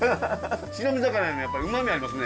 白身魚のやっぱりうまみありますね。